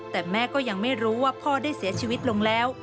แต่แม่ก็ยังไม่รู้ว่าพ่อได้เสียชีวิตลงแล้ว